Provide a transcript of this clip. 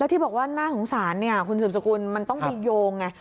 แล้วที่บอกว่าหน้าสงสารคุณสุบสกุลมันต้องไปโยงไง